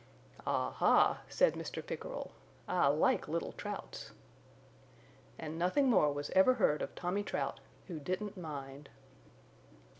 "Ah ha," said Mr. Pickerel, "I like little Trouts." And nothing more was ever heard of Tommy Trout, who didn't mind.